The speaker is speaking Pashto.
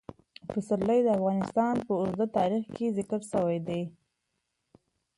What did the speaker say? پسرلی د افغانستان په اوږده تاریخ کې ذکر شوی دی.